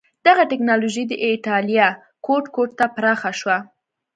دغه ټکنالوژي د اېټالیا ګوټ ګوټ ته پراخه شوه.